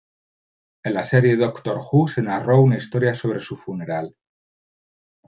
En la serie Doctor Who se narró una historia sobre su funeral.